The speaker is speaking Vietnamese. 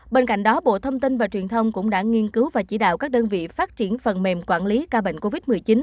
bên cạnh đó bộ thông tin và truyền thông cũng đã nghiên cứu và chỉ đạo các đơn vị phát triển phần mềm quản lý ca bệnh covid một mươi chín